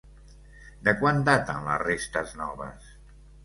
De quan daten les restes noves?